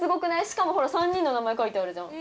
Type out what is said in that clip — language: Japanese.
しかもほら３人の名前書いてあるじゃん。